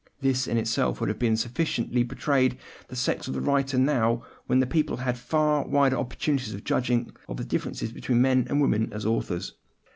This in itself would have sufficiently betrayed the sex of the writer now when people have had far wider opportunities of judging of the differences between men and women as authors.